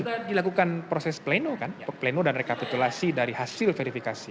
sudah dilakukan proses pleno kan pleno dan rekapitulasi dari hasil verifikasi